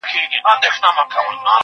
زه شګه پاک کړی دی؟